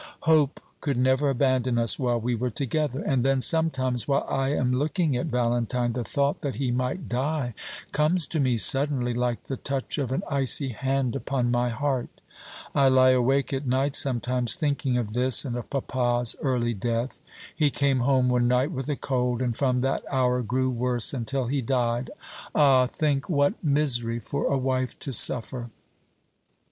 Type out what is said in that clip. Hope could never abandon us while we were together. And then, sometimes, while I am looking at Valentine, the thought that he might die comes to me suddenly, like the touch of an icy hand upon my heart. I lie awake at night sometimes thinking of this, and of papa's early death. He came home one night with a cold, and from that hour grew worse until he died. Ah, think what misery for a wife to suffer!